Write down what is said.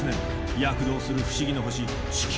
躍動する不思議のほし地球。